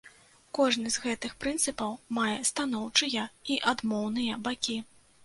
Кожны з гэтых прынцыпаў мае станоўчыя і адмоўныя бакі.